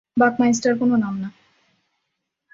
Buckminster কোনো নাম না।